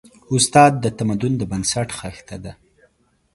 استاد د تمدن د بنسټ خښته ده.